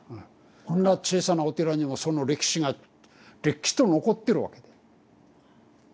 こんな小さなお寺にもその歴史がれっきと残ってるわけだ。